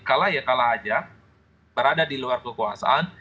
kalah ya kalah aja berada di luar kekuasaan